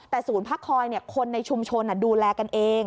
แต่ศูนย์พักคอยคนในชุมชนดูแลกันเอง